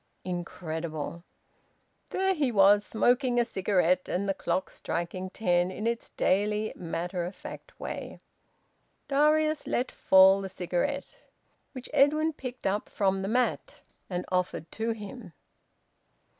Incredible! There he was, smoking a cigarette, and the clock striking ten in its daily, matter of fact way. Darius let fall the cigarette, which Edwin picked up from the mat, and offered to him.